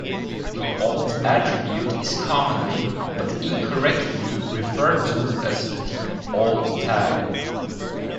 The alt attribute is commonly, but incorrectly, referred to as the "alt tag".